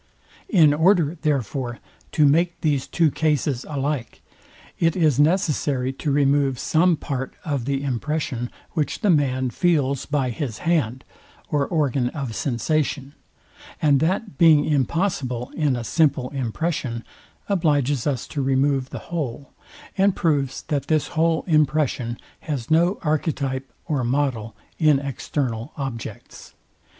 In order, therefore, to make these two cases alike, it is necessary to remove some part of the impression, which the man feels by his hand, or organ of sensation; and that being impossible in a simple impression, obliges us to remove the whole, and proves that this whole impression has no archetype or model in external objects.